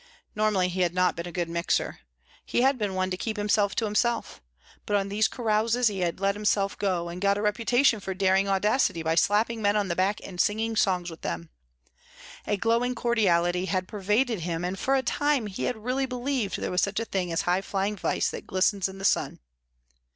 Normally he had not been a good mixer. He had been one to keep himself to himself. But on these carouses he let himself go, and got a reputation for daring audacity by slapping men on the back and singing songs with them. A glowing cordiality had pervaded him and for a time he had really believed there was such a thing as high flying vice that glistens in the sun.